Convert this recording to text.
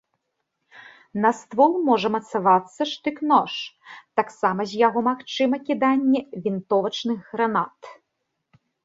На ствол можа мацавацца штык-нож, таксама з яго магчыма кіданне вінтовачных гранат.